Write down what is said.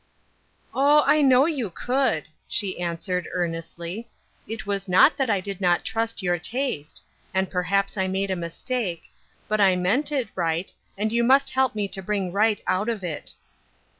" Oh, I know you could," she answered, earn estly. " It was not that I did not trust your taste — and perhaps I made a mistake; but I meant it right, and you must help me to bring right out of it."